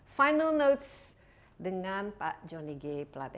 final notes dengan pak jonny g platte